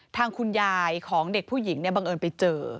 ทางคุณยายของเด็กผู้หญิงเนี่ยบังเอิญไปเจอ